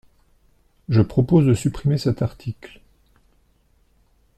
Je propose de supprimer cet article.